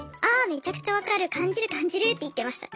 めちゃくちゃ分かる感じる感じるって言ってました。